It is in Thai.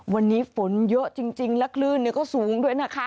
วันนี้ฝนเยอะจริงและคลื่นก็สูงด้วยนะคะ